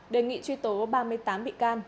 đề nghị truy tố ba mươi tám bị can